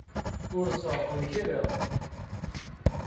Ur ṣerɣen kra.